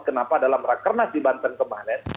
kenapa dalam rakernas di banten kemarin